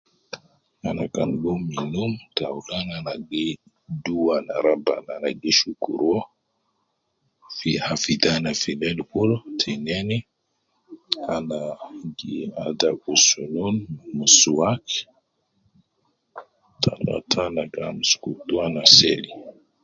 Ana kan gum min num ta aulan ana gi duwa na Rabbana gi shukuru Al gi hafidhi ana fileil kulu, tinein ana gi adaku sunu suwaj, talata ana gi seli